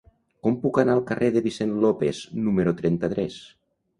Com puc anar al carrer de Vicent López número trenta-tres?